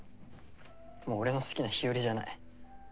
もう俺の好きな日和じゃない。